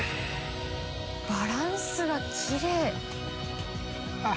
バランスがきれい。